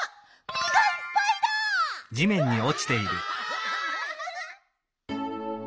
みがいっぱいだ！わ！